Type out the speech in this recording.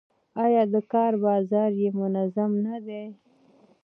آیا د کار بازار یې منظم نه دی؟